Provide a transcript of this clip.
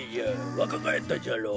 わかがえったじゃろう。